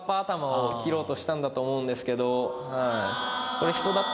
んだと思うんですけど。